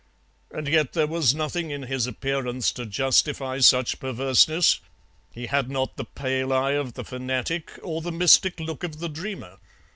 And yet there was nothing in his appearance to justify such perverseness; he had not the pale eye of the fanatic or the mystic look of the dreamer.